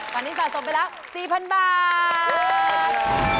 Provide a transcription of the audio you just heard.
ขวดที่สตรงไปแล้ว๔๐๐๐บาท